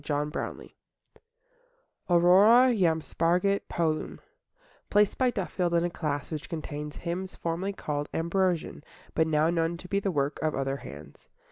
Monday Morning AURORA JAM SPARGIT POLUM Placed by Duffield in a class which contains hymns formerly called Ambrosian, but now known to be the work of other hands.